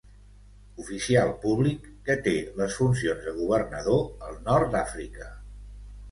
Oficial públic que té les funcions de governador al nord d'Àfrica.